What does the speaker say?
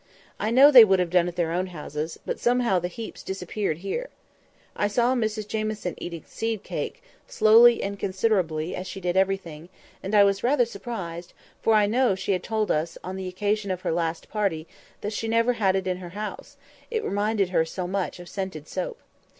I know they would have done at their own houses; but somehow the heaps disappeared here. I saw Mrs Jamieson eating seed cake, slowly and considerately, as she did everything; and I was rather surprised, for I knew she had told us, on the occasion of her last party, that she never had it in her house, it reminded her so much of scented soap.